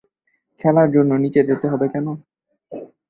খেলার জন্যে নিচে যেতে হবে কেন?